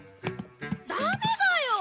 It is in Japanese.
ダメだよ！